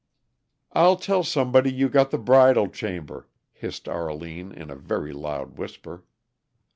"I'll tell somebody you got the bridal chamber," hissed Arline, in a very loud whisper.